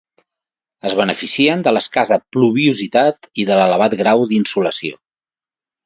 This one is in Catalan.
Es beneficien de l'escassa pluviositat i de l'elevat grau d'insolació.